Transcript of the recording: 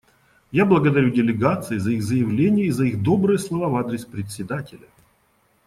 Я благодарю делегации за их заявления и за их добрые слова в адрес Председателя.